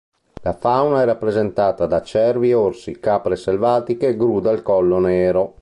La fauna è rappresentata da cervi, orsi, capre selvatiche, gru dal collo nero.